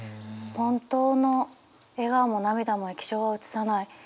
「ほんとうの笑顔も涙も液晶は映さない」。